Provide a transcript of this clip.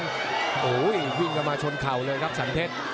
หันก็ว่ามันคุยกับมันโอ้โฮยวิ่งกลับมาชนเขาเลยครับสรรพรเทศ